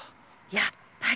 やっぱり！